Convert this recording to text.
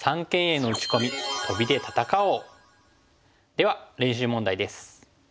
では練習問題です。